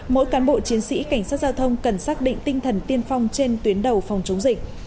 mỗi cán bộ chiến sĩ cảnh sát giao thông cần xác định tinh thần tiên phong trên tuyến đầu phòng chống dịch